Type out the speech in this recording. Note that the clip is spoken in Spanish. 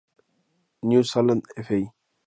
New Zealand Fl.